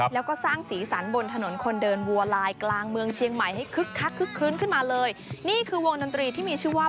แล้วก็สร้างศีรษรรษ์บนถนนคนเดินวัวลายนี่คือวงดนตรีที่มีชื่อว่า